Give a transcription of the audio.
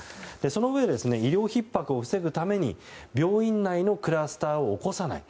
そのうえで医療ひっ迫を防ぐために病院内のクラスターを起こさない。